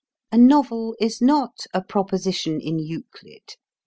A novel is not a proposition in Euclid.